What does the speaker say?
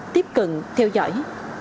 tiếp cận theo dõi